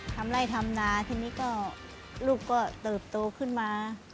ทำไล่ทำนาทีนี้ก็ลูกก็เติบโตขึ้นมา